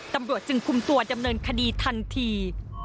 ตำรวจจึงคุมตัวดำเนินคดีทันที